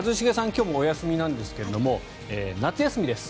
今日もお休みなんですけれども夏休みです。